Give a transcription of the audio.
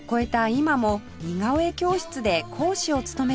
今も似顔絵教室で講師を務めています